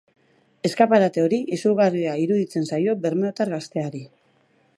Eskaparate hori izugarria iruditzen zaio bermeotar gazteari.